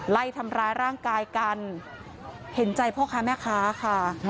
ไล่ทำร้ายร่างกายกันเห็นใจพ่อค้าแม่ค้าค่ะ